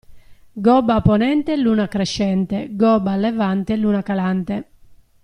Gobba a ponente luna crescente, gobba a levante luna calante.